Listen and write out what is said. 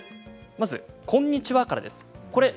まず、こんにちはです。